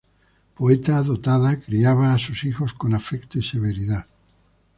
Poeta dotada, criaba a sus hijos con afecto y severidad.